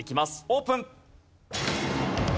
オープン。